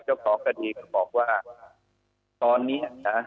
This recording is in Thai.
เจ้าท้อกกระดิกบอกว่าตอนเนี้ยนะฮะ